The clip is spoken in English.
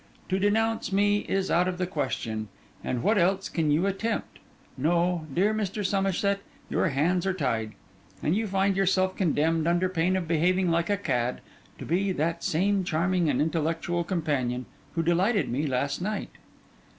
To denounce me, is out of the question; and what else can you attempt? No, dear Mr. Somerset, your hands are tied; and you find yourself condemned, under pain of behaving like a cad, to be that same charming and intellectual companion who delighted me last night.